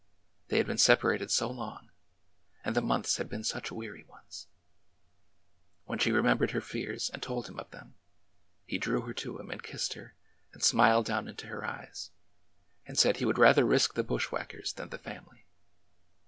They had been separated so long, and the months had been such weary ones ! When she remembered her fears and told him of them, he drew her to him and kissed her and smiled down into her eyes, and said he would rather risk the bushwhackers than the family.